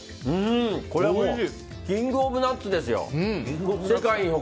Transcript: これはもうキング・オブ・ナッツですよ。